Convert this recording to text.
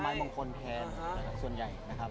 มงคลแทนส่วนใหญ่นะครับ